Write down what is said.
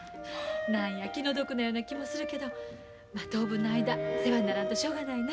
何や気の毒なような気もするけど当分の間世話にならんとしょうがないな。